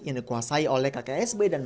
yang dikuasai oleh kksb dan